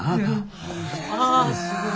ああすごい。